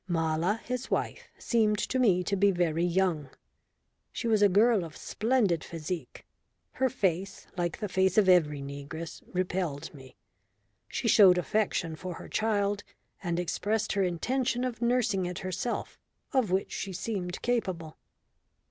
Mala, his wife, seemed to me to be very young. She was a girl of splendid physique; her face, like the face of every negress, repelled me. She showed affection for her child, and expressed her intention of nursing it herself, of which she seemed capable.